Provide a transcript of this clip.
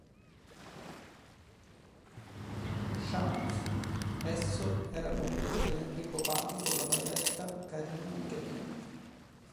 Chance", esso era condotto da Enrico Papi con la valletta Karina Michelin.